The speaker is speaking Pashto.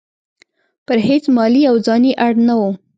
پر هیڅ مالي او ځاني اړ نه وو.